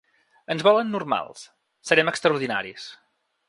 Ens volen normals, serem extraordinaris.